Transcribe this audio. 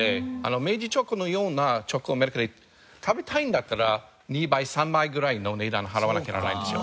明治チョコのようなチョコアメリカで食べたいんだったら２倍３倍ぐらいの値段払わなきゃならないんですよ。